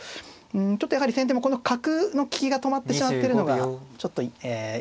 うんちょっとやはり先手もこの角の利きが止まってしまってるのがちょっと痛いところでして。